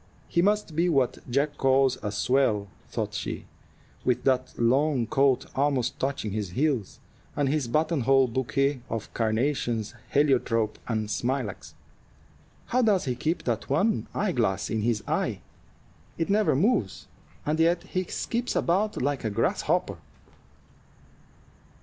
"He must be what Jack calls a swell," thought she, "with that long coat almost touching his heels, and his button hole bouquet of carnations, heliotrope, and smilax. How does he keep that one eyeglass in his eye? It never moves, and yet he skips about like a grasshopper."